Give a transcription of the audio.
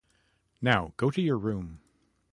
Now, go to your room.